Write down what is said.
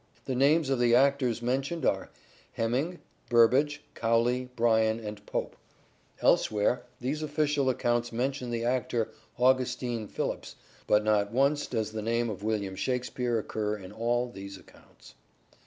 The names of the actors mentioned are Heminge, Burbage, Cowley, Bryan and Pope ; elsewhere these official accounts mention the actor Augustine Phillipps, but not once does the name of William Shakspere occur in all these accounts.